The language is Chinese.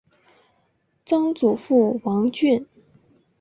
曾祖父王俊。